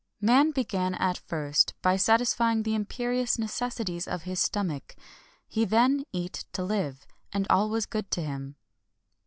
Man began at first by satisfying the imperious necessities of his stomach; he then eat to live, and all was good to him.